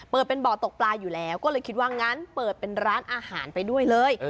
เป็นบ่อตกปลาอยู่แล้วก็เลยคิดว่างั้นเปิดเป็นร้านอาหารไปด้วยเลย